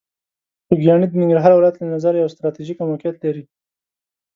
خوږیاڼي د ننګرهار ولایت له نظره یوه ستراتیژیکه موقعیت لري.